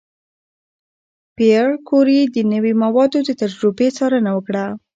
پېیر کوري د نوې موادو د تجربې څارنه وکړه.